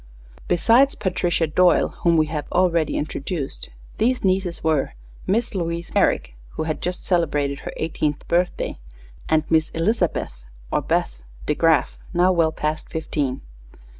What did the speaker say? Besides Patricia Doyle, whom we have already introduced, these nieces were Miss Louise Merrick, who had just celebrated her eighteenth birthday, and Miss Elizabeth or "Beth" De Graf, now well past fifteen.